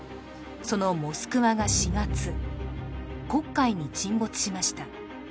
そのモスクワが４月黒海に沈没しました